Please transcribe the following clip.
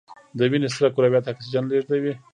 د وینې سره کرویات اکسیجن لیږدوي